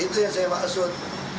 itu yang saya maksud